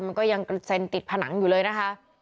มันก็ยังกระเซ็นติดผนังอยู่เลยนะคะ